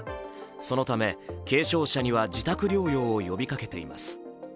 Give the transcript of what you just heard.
そのため軽症者には自宅療養を呼びかけています。